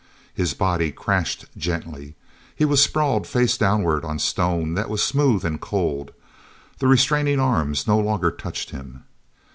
His body crashed gently; he was sprawled face downward on stone that was smooth and cold. The restraining arms no longer touched him.